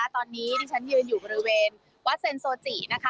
ตอนนี้ดิฉันยืนอยู่บริเวณวัดเซ็นโซจินะคะ